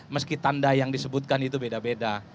meski tanda yang disebutkan itu beda beda